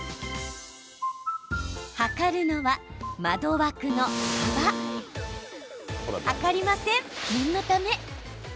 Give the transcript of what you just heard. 測るのは、窓枠の幅測りません、念のため。